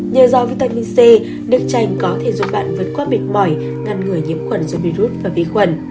nhờ do vitamin c nước chanh có thể giúp bạn vớt qua mệt mỏi ngăn ngửa nhiễm khuẩn do virus và vi khuẩn